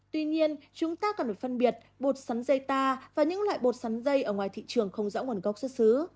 tuy nhiên chúng ta còn được phân biệt bột sắn dây ta và những loại bột sắn dây ở ngoài thị trường không rõ nguồn gốc xuất xứ